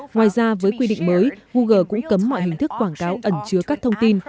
ngoài ra với quy định mới google cũng cấm mọi hình thức quảng cáo ẩn chứa các thông tin